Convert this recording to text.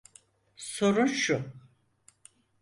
Sorun şu…